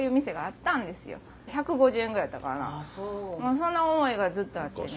そんな思いがずっとあってね。